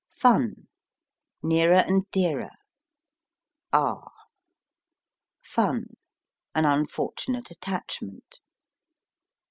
R. Nearer and Dearer R. An Unfortunate Attachment